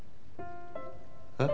えっ？